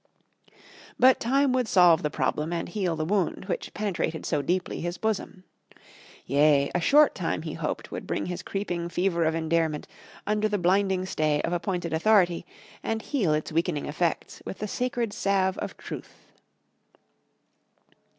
But time would solve the problem and heal the wound which penetrated so deeply his bosom. Yea, a short time he hoped would bring his creeping fever of endearment under the binding stay of appointed authority, and heal its weakening effects with the sacred salve of truth.